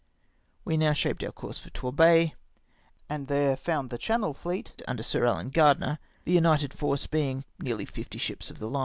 We now shaped our course for Torbay, and there found the Channel fleet imder Sh' Alan Gardner— the united force being nearly fifty ships of the line.